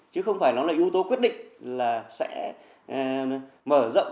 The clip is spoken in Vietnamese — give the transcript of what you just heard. chứ không phải nó là yếu tố quyết định là sẽ mở rộng